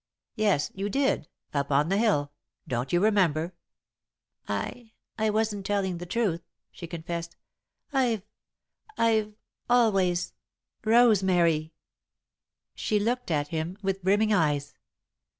"Yes, you did up on the hill. Don't you remember?" "I I wasn't telling the truth," she confessed. "I've I've always " "Rosemary!" She looked at him with brimming eyes.